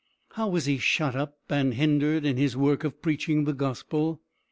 How was he shut up and hindered in his work of preaching the gospel.